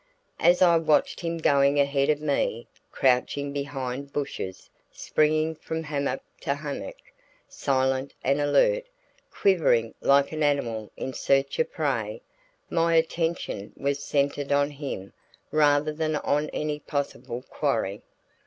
As I watched him going ahead of me, crouching behind bushes, springing from hummock to hummock, silent and alert, quivering like an animal in search of prey, my attention was centered on him rather than on any possible quarry.